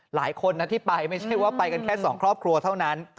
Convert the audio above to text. หลายคนนะที่ไปไม่ใช่ว่าไปกันแค่สองครอบครัวเท่านั้น